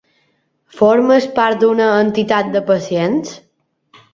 Formes part d'una entitat de pacients?